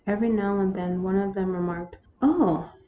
Every now and then one of them remarked, " Oh